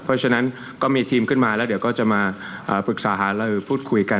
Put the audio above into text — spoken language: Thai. เพราะฉะนั้นก็มีทีมขึ้นมาแล้วเดี๋ยวก็จะมาปรึกษาหารือพูดคุยกัน